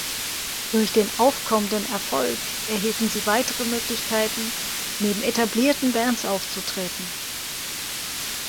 Durch den aufkommenden Erfolg erhielten sie weitere Möglichkeiten neben etablierten Bands aufzutreten.